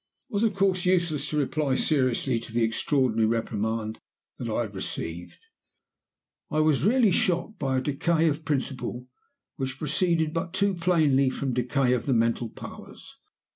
"It was, of course, useless to reply seriously to the extraordinary reprimand that I had received. Besides, I was really shocked by a decay of principle which proceeded but too plainly from decay of the mental powers.